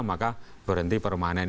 maka berhenti permanen